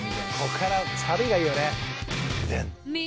ここからサビがいいよね。